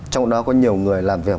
trong đó có nhiều người làm việc